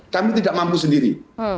kami tidak mampu sendiri